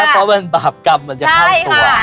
เพราะมันบาปกรรมมันจะเข้าตัว